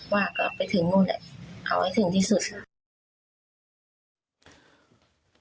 ว่าก็ไปถึงนู่นเอาให้ถึงที่สุดค่ะ